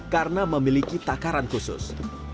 karena memiliki takaran khusus